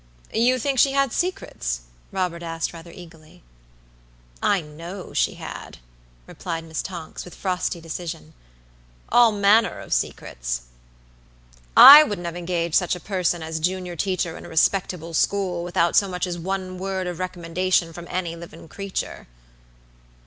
"You think she had secrets?" Robert asked, rather eagerly. "I know she had," replied Miss Tonks, with frosty decision; "all manner of secrets. I wouldn't have engaged such a person as junior teacher in a respectable school, without so much as one word of recommendation from any living creature."